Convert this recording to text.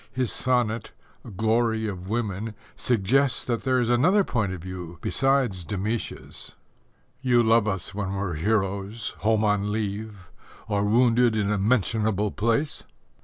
His sonnet, Glory of Women, suggests that there is another point of view besides Demætia's: You love us when we're heroes, home on leave, Or wounded in a mentionable place.